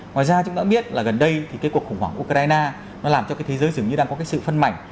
ngoài ra chúng ta biết là gần đây thì cái cuộc khủng hoảng của ukraine nó làm cho cái thế giới dường như đang có cái sự phân mảnh